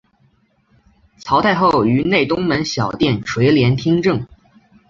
曹太后于内东门小殿垂帘听政。